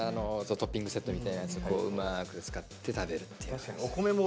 トッピングセットみたいなやつうまく使って食べるっていう。